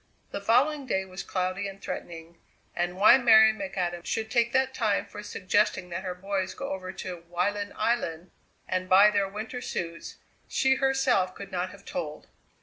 The following day was cloudy and threatening, and why Mary McAdam should take that time for suggesting that her boys go over to Wyland Island and buy their winter suits, she herself could not have told.